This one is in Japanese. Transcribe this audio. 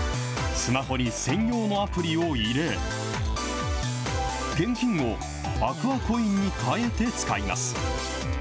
スマホに専用のアプリを入れ、現金をアクアコインにかえて使います。